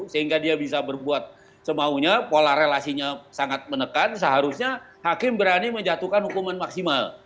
sehingga dia bisa berbuat semaunya pola relasinya sangat menekan seharusnya hakim berani menjatuhkan hukuman maksimal